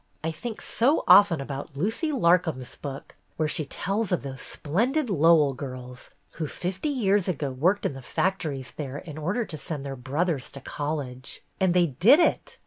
I think so often about Lucy Lar com's book, where she tells of those splendid Lowell girls who fifty years ago worked in the factories there in order to send their brothers to college. And they did it!